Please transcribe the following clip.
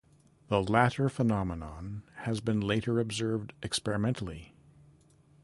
The latter phenomenon has been later observed experimentally.